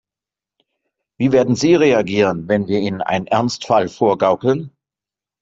Wie werden sie reagieren, wenn wir ihnen einen Ernstfall vorgaukeln?